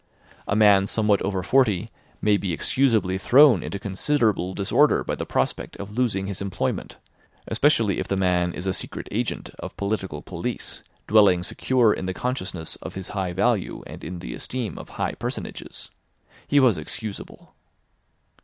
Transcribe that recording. A man somewhat over forty may be excusably thrown into considerable disorder by the prospect of losing his employment, especially if the man is a secret agent of political police, dwelling secure in the consciousness of his high value and in the esteem of high personages. He was excusable.